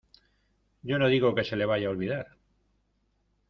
yo no digo que se le vaya a olvidar.